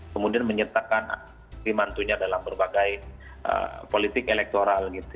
kemudian menyertakan pimantunya dalam berbagai politik elektoral